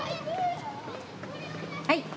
はい。